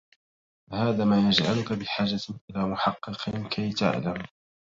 هذا ما يجعلك بحاجة إلى محقّق كي تعلم.